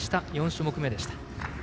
４種目めでした。